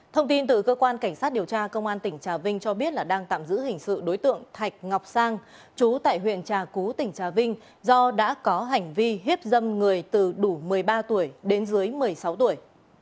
thông tin từ cơ quan cảnh sát điều tra công an tỉnh trà vinh cho biết là đang tạm giữ hình sự đối tượng thạch ngọc sang chú tại huyện trà cú tỉnh trà vinh do đã có hành vi hiếp dâm người từ đủ một mươi ba tuổi đến dưới một mươi sáu tuổi